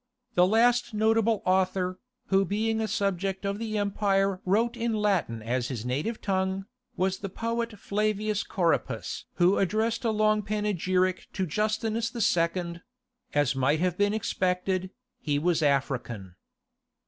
The last notable author, who being a subject of the empire wrote in Latin as his native tongue, was the poet Flavius Corippus who addressed a long panegyric to Justinus II.: as might have been expected, he was an African.